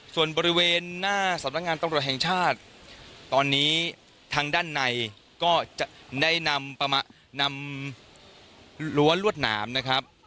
ส่วนบริเวณหน้าสำนักงานตำรวจแห่งชาติตอนนี้ทางด้านในก็จะได้นำรั้วลวดหนามนะครับ